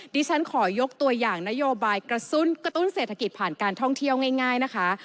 ดิฉันขอยกตัวอย่างนโยบายกระตุ้นเศรษฐกิจผ่านการท่องเที่ยวง่ายนะคะ